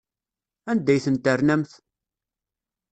Anda ay ten-ternamt?